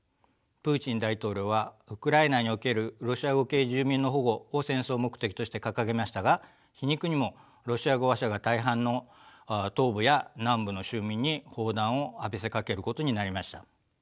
プーチン大統領はウクライナにおけるロシア語系住民の保護を戦争目的として掲げましたが皮肉にもロシア語話者が大半の東部や南部の州民に砲弾を浴びせかけることになりました。